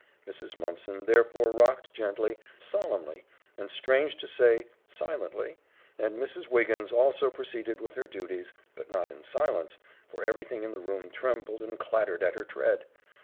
Mrs. Mumpson therefore rocked gently, solemnly, and strange to say, silently, and Mrs. Wiggins also proceeded with her duties, but not in silence, for everything in the room trembled and clattered at her tread.